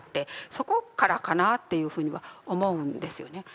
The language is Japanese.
そこからかなというふうには思うんですよね。